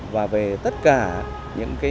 và về tất cả những vấn đề này